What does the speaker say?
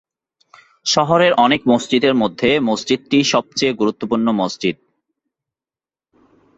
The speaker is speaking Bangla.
শহরের অনেক মসজিদের মধ্যে মসজিদটি সবচেয়ে গুরুত্বপূর্ণ মসজিদ।